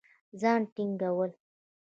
ځان ټينګول